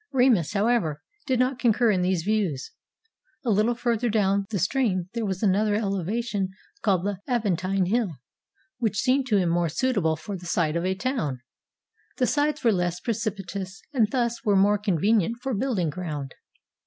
Remus, however, did not concur in these views. A little farther down the stream there was another eleva tion called the Aventine Hill, which seemed to him more suitable for the site of a town. The sides were less pre cipitous, and thus were more convenient for building ground.